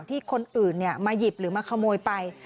ที่คนอื่นมาหยิบหรือมาขโมยไป